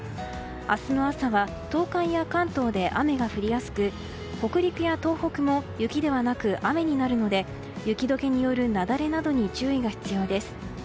明日の朝は東海や関東で雨が降りやすく北陸や東北も雪ではなく雨になるので雪解けによる雪崩などに注意が必要です。